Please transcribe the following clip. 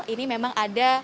ini memang ada